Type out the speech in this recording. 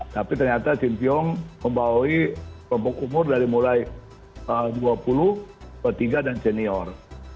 tapi ternyata si tiong membawakan kelompok umur dari mulai dua puluh ke tiga dan senior